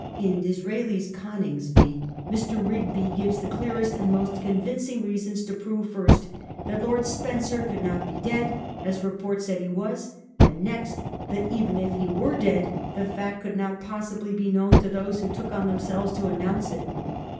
In Disraeli's £ Coningsby ' Mr. Rigby gives the clearest and most convincing reasons to prove first that Lord Spencer could not be dead, as report said he was ; and next, that even if he were dead, the fact could not possibly be known to those who took on themselves to announce it.